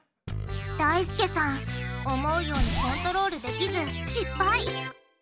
だいすけさん思うようにコントロールできず失敗！